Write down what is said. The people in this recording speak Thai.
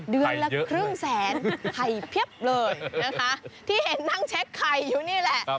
เดือนละครึ่งแสนไข่เพียบเลยนะคะที่เห็นนั่งเช็คไข่อยู่นี่แหละ